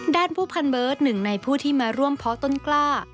ด้านผู้พันเบิร์ตหนึ่งในผู้ที่มาร่วมเพาะต้นกล้า